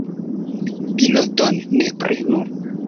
Piloton ne prenu.